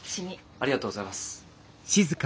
ありがとうございます。